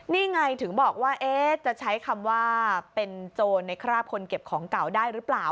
นี่ไงถึงบอกว่าจะใช้คำว่าเป็นโจรในคราบคนเก็บของเก่าได้หรือเปล่า